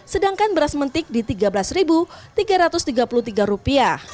sedangkan beras mentik di rp tiga belas tiga ratus tiga puluh tiga